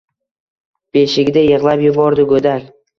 Beshigida yigʻlab yubordi goʻdak.